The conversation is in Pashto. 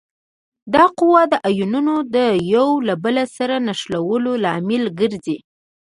دا قوه د آیونونو د یو له بل سره نښلولو لامل ګرځي.